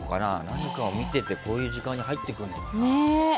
何かを見ていて、こういう時間に入ってくるのかな。